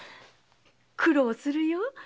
苦労するよ。